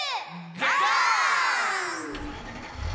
ゴー！